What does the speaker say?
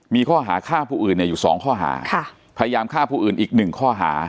มีข้อหาฆ่าผู้อื่นอยู่สองข้อหาพยายามฆ่าผู้อื่นอีกหนึ่งข้อหา